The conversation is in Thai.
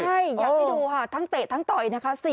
ใช่อยากให้ดูค่ะทั้งเตะทั้งต่อยนะคะ